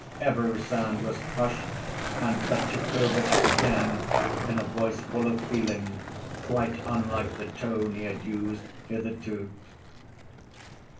Every sound was hushed and Fetyukovitch began in a voice full of feeling quite unlike the tone he had used hitherto.